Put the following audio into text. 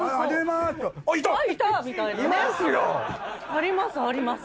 ありますあります。